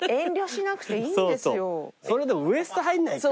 それでもウエスト入んないか。